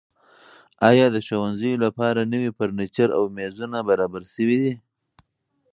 ایا د ښوونځیو لپاره نوي فرنیچر او میزونه برابر شوي دي؟